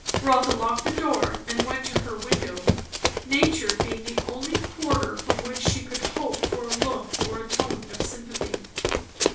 Rotha locked the door, and went to her window; nature being the only quarter from which she could hope for a look or a tone of sympathy.